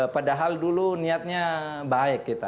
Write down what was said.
padahal dulu niatnya baik kita